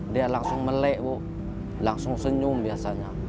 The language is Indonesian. dia langsung melek bu langsung senyum biasanya